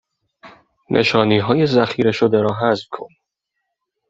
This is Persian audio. نشانی های ذخیره شده را حذف کن